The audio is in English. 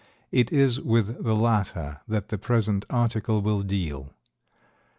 It is with the latter that the present article will deal.